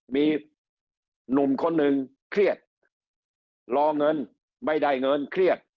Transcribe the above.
มีหนุ่มคนหนึ่งเครียดรอเงินไม่ได้เงินเครียด